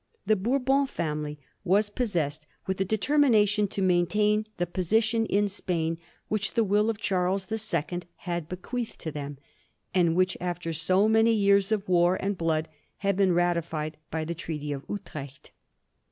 The Bourbon family were possessed with the determination to maintain the position in Spain which the will of Charles the Second had bequeathed to them, and which after so many years of war and blood had been ratified by the Treaty of Utrecht.